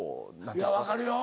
分かるよ。